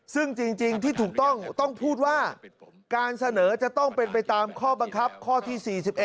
ซึ่งจริงที่ถูกต้องต้องพูดว่าการเสนอจะต้องเป็นไปตามข้อบังคับข้อที่๔๑